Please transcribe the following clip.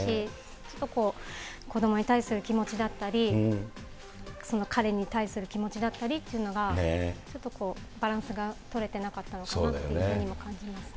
ちょっとこう、子どもに対する気持ちだったり、彼に対する気持ちだったりっていうのが、ちょっとこう、バランスが取れていなかったのかなというふうにも感じますね。